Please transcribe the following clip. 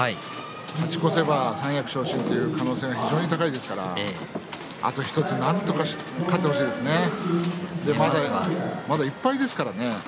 勝ち越せば三役昇進という可能性が非常に高いですからあと１つなんとかして勝ってほしいですね、まだ１敗ですから。